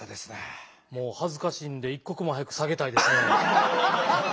もう恥ずかしいんで一刻も早く下げたいですね。